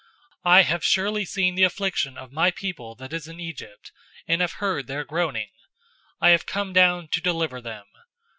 007:034 I have surely seen the affliction of my people that is in Egypt, and have heard their groaning. I have come down to deliver them.